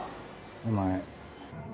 お前